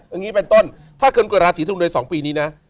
อันนี้เป็นต้นถ้าเกิดราศีธนูใน๒ปีนี้นะ